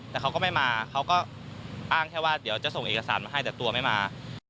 แต่เขาก็ไม่มาเขาก็อ้างแค่ว่าเดี๋ยวจะส่งเอกสารมาให้แต่ตัวไม่มา